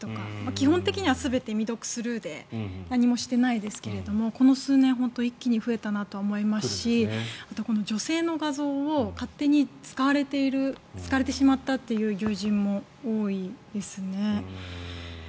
基本的には全て未読スルーで何もしてないですけれどもこの数年で一気に増えたなと思いますしこの女性の画像を勝手に使われている使われてしまったという友人も多いですね。